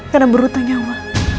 karena berhutang nyawa